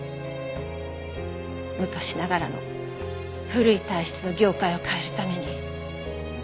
昔ながらの古い体質の業界を変えるために。